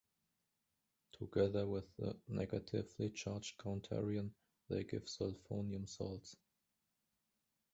Together with a negatively charged counterion, they give sulfonium salts.